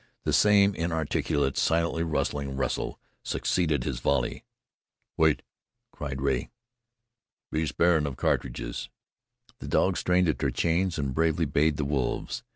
The same inarticulate, silently rustling wrestle succeeded this volley. "Wait!" cried Rea. "Be sparin' of cartridges." The dogs strained at their chains and bravely bayed the wolves.